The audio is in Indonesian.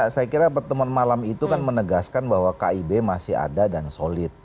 saya kira pertemuan malam itu kan menegaskan bahwa kib masih ada dan solid